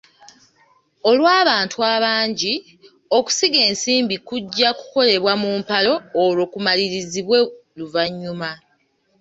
Olw'abantu abangi, okusiga ensimbi kujja kukolebwa mu mpalo olwo kumalirizibwe luvannyuma.